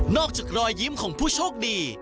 อกจากรอยยิ้มของผู้โชคดี